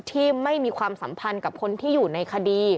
ที่ไม่มีความสัมพันธ์กับคนที่อยู่ในคดี